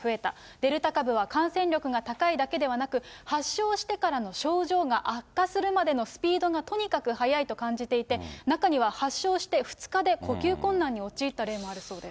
デルタ株は感染力が高いだけではなく、発症してからの症状が悪化するまでのスピードがとにかく速いと感じていて、中には発症して２日で呼吸困難に陥った例もあるそうです。